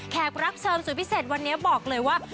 รับเชิญสุดพิเศษวันนี้บอกเลยว่า